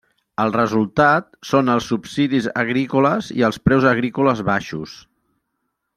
El resultat són els subsidis agrícoles i els preus agrícoles baixos.